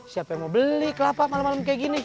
siapa yang mau beli kelapa malem malem kayak gini